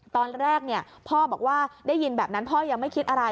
ตอนแรกพ่อบอกว่าได้ยินแบบนั้นพ่อยังไม่คิดอะไร